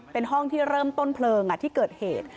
เป็นห้องที่เริ่มต้นเพลิงที่เกิดเหตุ